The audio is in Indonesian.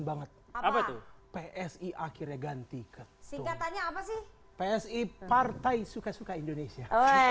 banget apa itu psi akhirnya ganti ke singkatannya apa sih psi partai suka suka indonesia